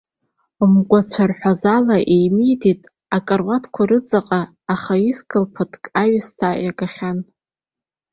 Мгәацәарҳәазала еимидеит акаруаҭқәа рыҵаҟа, аха изқлаԥадк аҩсҭаа игахьан.